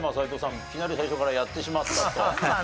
いきなり最初からやってしまったと。